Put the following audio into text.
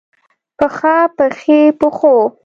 پښه ، پښې ، پښو